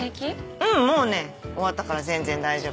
うんもうね終わったから全然大丈夫。